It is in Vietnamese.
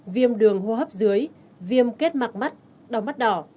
viêm đường hô hấp dưới viêm kết mặt mắt đau mắt đỏ